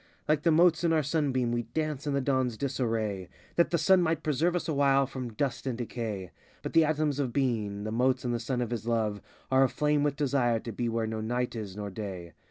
Likes the motes in the sun beam we dance in the dawn's disarray That the sun might preserve us awhile from dust and decay; But the atoms of being, the motes in the Sun of his Love, Are aflame with desire to be where no night is nor day.